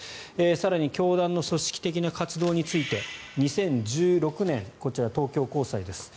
更に教団の組織的な活動について２０１６年こちら東京高裁です。